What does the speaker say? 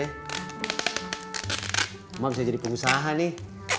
emang bisa jadi pengusaha nih